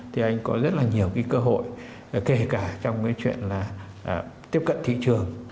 thì anh có rất là nhiều cái cơ hội kể cả trong cái chuyện là tiếp cận thị trường